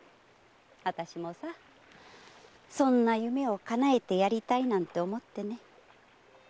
あたしもさそんな夢を叶えてやりたいなんて思って。